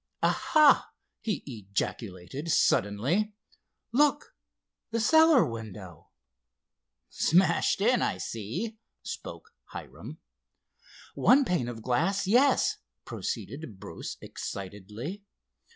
"Aha!" he ejaculated suddenly, "look—the cellar window." "Smashed in—I see," spoke Hiram. "One pane of glass, yes," proceeded Bruce excitedly.